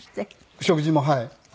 食事もはい。